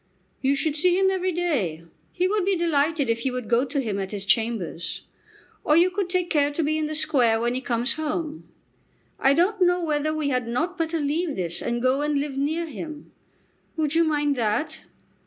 "You should see him every day. He would be delighted if you would go to him at his chambers. Or you could take care to be in the Square when he comes home. I don't know whether we had not better leave this and go and live near him. Would you mind that?"